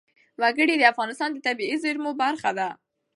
وګړي د افغانستان د طبیعي زیرمو برخه ده.